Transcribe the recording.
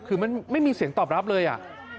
คือมันไม่มีเสียงตอบรับเลยอ่ะ